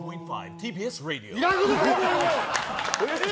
ＴＢＳレディオ。